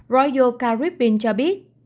royal caribbean cho biết